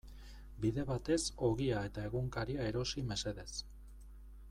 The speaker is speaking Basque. Bide batez ogia eta egunkaria erosi mesedez.